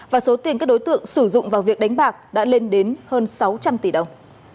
và số tiền các đối tượng sử dụng vào việc đánh bạc đã lên đến hơn sáu trăm linh tỷ đồng